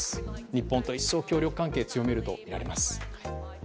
日本とは一層協力関係を強めるとみられます。